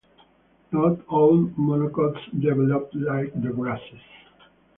Not all monocots develop like the grasses.